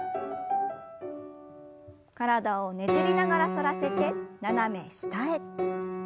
体をねじりながら反らせて斜め下へ。